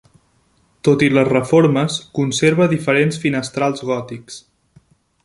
Tot i les reformes, conserva diferents finestrals gòtics.